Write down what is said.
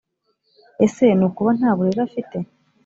Ese ni ukuba nta burere afite?